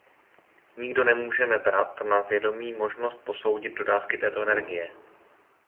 Nikdo nemůže nebrat na vědomí možnost posoudit dodávky této energie.